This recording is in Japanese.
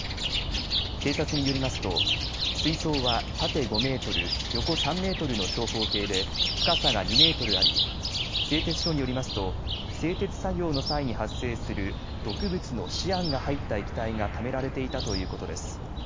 警察によりますと水槽は縦５メートル、横３メートルの長方形で深さが２メートルあり製鉄所によりますと製鉄作業の際に発生する毒物のシアンが入った液体がためられていたということです。